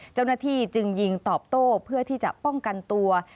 เจ้าหน้าที่จึงยิงตอบโต้เพื่อที่จะป้องกันตัว